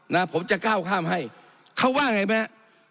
นะผมจะก้าวข้ามให้เขาว่าไงไหมฮะ